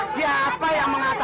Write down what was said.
siapa yang mengatakannya